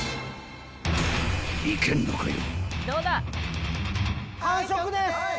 ［いけんのかよ］